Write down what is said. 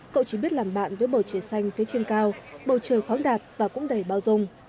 cậu chỉ biết làm bạn với bầu trời xanh phía trên cao bầu trời khoáng đạt và cũng đầy bao dung